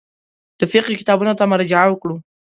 د فقهي کتابونو ته مراجعه وکړو.